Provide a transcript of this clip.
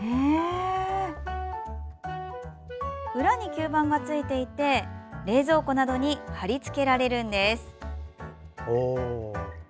裏に吸盤が付いていて冷蔵庫などに貼り付けられるんです。